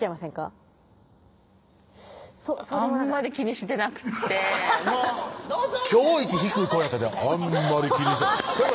あんまり気にしてなくって今日一低い声やったで「あんまり気にしてない」